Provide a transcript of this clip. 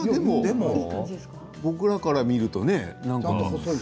僕らから見るとね。